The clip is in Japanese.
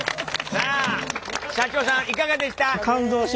さあ社長さんいかがでした？